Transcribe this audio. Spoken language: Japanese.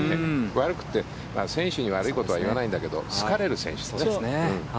悪くって、選手に悪いことは言わないんだけど好かれる選手ですね。